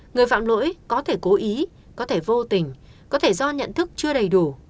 người phạm lỗi có thể cố ý có thể vô tình có thể do nhận thức chưa đầy đủ